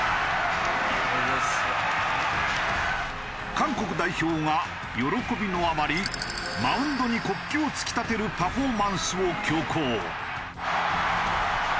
韓国代表が喜びのあまりマウンドに国旗を突き立てるパフォーマンスを強行。